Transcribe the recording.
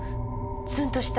ツンとした。